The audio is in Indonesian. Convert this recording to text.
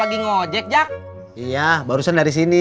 lagi ngejek jek iya barusan dari sini